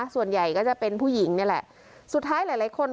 ส่วนใหญ่ก็จะเป็นผู้หญิงนี่แหละสุดท้ายหลายหลายคน